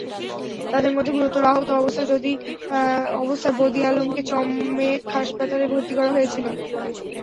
তাঁদের মধ্যে গুরুতর আহত অবস্থায় বদি আলমকে চমেক হাসপাতালে ভর্তি করা হয়েছিল।